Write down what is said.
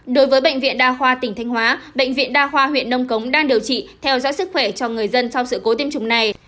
đối với bệnh viện đa khoa tỉnh thanh hóa bệnh viện đa khoa huyện nông cống đang điều trị theo dõi sức khỏe cho người dân sau sự cố tiêm chủng này